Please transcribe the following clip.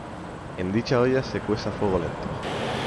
En dicha olla se cuece a fuego lento.